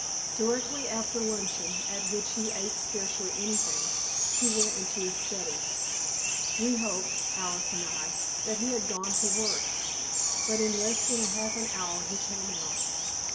Directly after luncheon, at which he ate scarcely anything, he went into his study. We hoped, Alice and I, that he had gone to work. But in less than half an hour he came out.